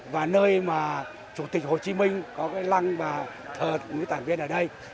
và nơi mà chủ tịch hồ chí minh có cái lăng và thờ núi tản viên ở đây